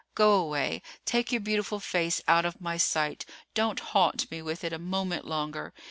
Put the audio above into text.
Go away, take your beautiful face out of my sight; don't haunt me with it a moment longer.